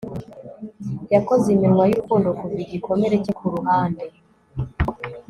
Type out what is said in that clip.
Yakoze iminwa yurukundo kuva igikomere cye kuruhande